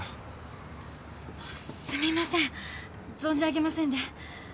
あっすみません存じ上げませんで。